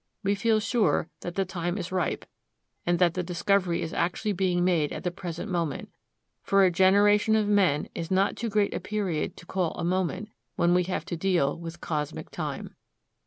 We feel sure that the time is ripe, and that the discovery is actually being made at the present moment: for a generation of men is not too great a period to call a moment, when we have to deal with cosmic time.